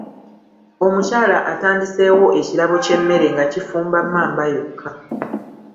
Omukyala atandiseewo ekirabo ky'emmere nga kifumba mmamba yokka.